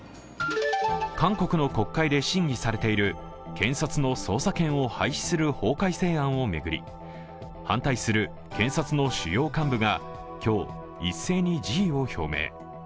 韓国の国会で審議されている検察の捜査権を廃止する法改正案を巡り反対する検察の主要幹部が今日、一斉に辞意を表明。